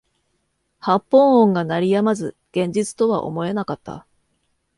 発砲音が鳴り止まず現実とは思えなかった